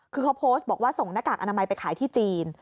คือเขาโพสต์บอกว่าส่งหน้ากากอนามัยไปขายที่จีน